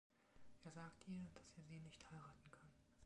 Er sagt ihr, dass er sie nicht heiraten kann.